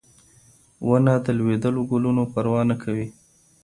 ونه د لوېدلو ګلونو پروا نه کوي.